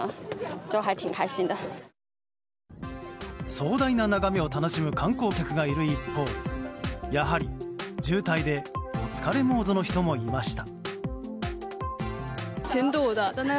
壮大な眺めを楽しむ観光客がいる一方やはり、渋滞でお疲れモードの人もいました。